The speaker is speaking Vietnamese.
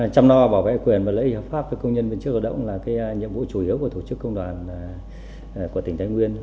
chăm lo bảo vệ quyền và lợi ích hợp pháp cho công nhân viên chức lao động là nhiệm vụ chủ yếu của tổ chức công đoàn của tỉnh thái nguyên